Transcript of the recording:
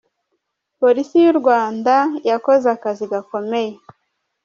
Polisi y'u Rwanda yakoze akazi gakomeye.